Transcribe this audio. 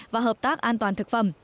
và hợp tác an toàn thực phẩm